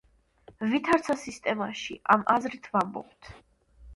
ვითარცა სისტემაში. ამ აზრით ვამბობთ,